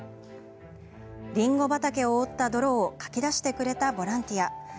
りんご畑を覆った泥をかき出してくれたボランティア。